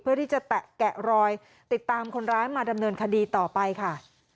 เพื่อที่จะแตะแกะรอยติดตามคนร้ายมาดำเนินคดีต่อไปค่ะ